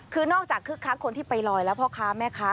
คือนอกจากคึกคักคนที่ไปลอยแล้วพ่อค้าแม่ค้า